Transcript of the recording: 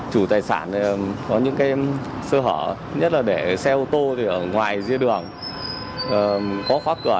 chủ tài sản có những cái sơ hở nhất là để xe ô tô thì ở ngoài dưới đường có khoác cửa